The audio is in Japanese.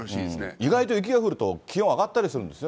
意外と雪が降ると、気温上がったりするんですよね。